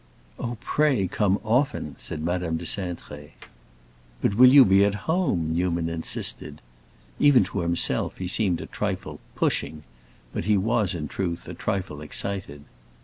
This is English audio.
"Oh, pray come often," said Madame de Cintré. "But will you be at home?" Newman insisted. Even to himself he seemed a trifle "pushing," but he was, in truth, a trifle excited.